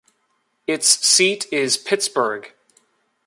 Its seat is Pittsburg.